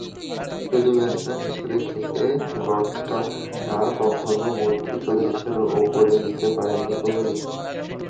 শুধু ব্যাটসম্যান হিসেবে খেলে গড়টা কখনো মধ্য চল্লিশের ওপরে নিতে পারেননি কোহলি।